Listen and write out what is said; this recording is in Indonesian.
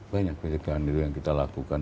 banyak pencegahan diri yang kita lakukan